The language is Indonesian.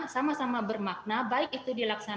sama sama bermakna baik itu dilaksanakan